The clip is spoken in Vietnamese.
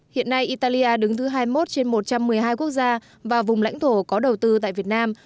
hiện nay italia đứng thứ hai mươi một trên một trăm một mươi hai quốc gia và vùng lãnh thổ có đầu tư tại việt nam